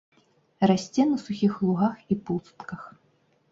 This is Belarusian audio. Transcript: Расце на сухіх лугах і пустках.